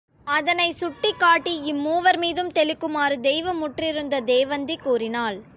அதனைச் சுட்டிக் காட்டி இம்மூவர் மீதும் தெளிக்குமாறு தெய்வ முற்றிருந்த தேவந்தி கூறினாள்.